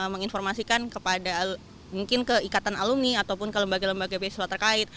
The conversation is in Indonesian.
menginformasikan kepada mungkin ke ikatan alumni ataupun ke lembaga lembaga beasiswa terkait